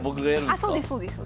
あそうです